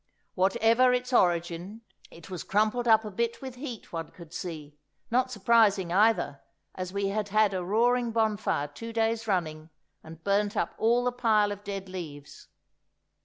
Whatever its origin, it was crumpled up a bit with heat, one could see—not surprising either, as we had had a roaring bonfire two days running and burnt up all the pile of dead leaves.